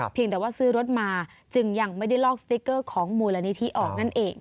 แต่ว่าซื้อรถมาจึงยังไม่ได้ลอกสติ๊กเกอร์ของมูลนิธิออกนั่นเอง